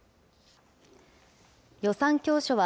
予算教書は、